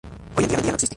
Hoy en día no existe.